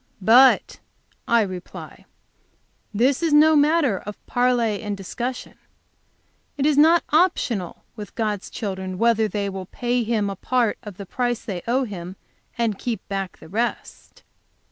But, I reply, this is no matter of parley and discussion; it is not optional with God's children whether they will pay Him a part of the price they owe Him, and keep back the rest.